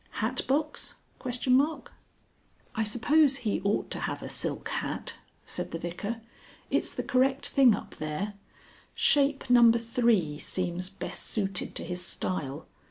Hatbox?_" ("I suppose he ought to have a silk hat," said the Vicar; "it's the correct thing up there. Shape No. 3 seems best suited to his style.